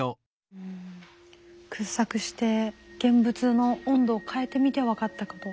うん掘削して現物の温度を変えてみて分かったこと。